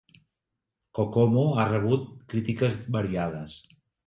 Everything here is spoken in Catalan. "Kokomo" ha rebut crítiques variades.